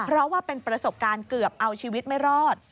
เพราะว่าเป็นประสบการณ์เกือบเอาชีวิตไม่รอด